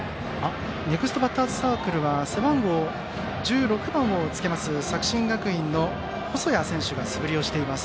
ネクストバッターズサークルは背番号１６番をつけます作新学院の細谷選手が素振りをしています。